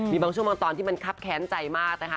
มีบางช่วงบางตอนที่มันคับแค้นใจมากนะคะ